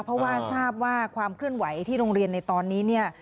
เพราะว่าทราบว่าความเคลื่อนไหวที่โรงเรียนในตอนนี้เนี่ย